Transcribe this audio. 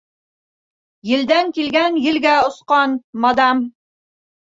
Елдән килгән, елгә осҡан, мадам!